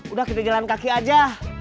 udah kita jalan kaki aja